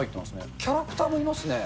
キャラクターもいますね。